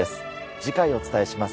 次回お伝えします。